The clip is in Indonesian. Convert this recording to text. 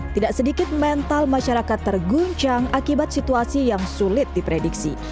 tidak sedikit mental masyarakat terguncang akibat situasi yang sulit diprediksi